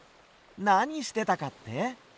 なにしてたかって？